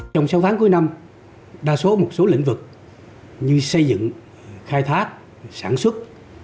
trong sâu phán cuối năm đa số một số lĩnh vực như xây dựng khai thác sản xuất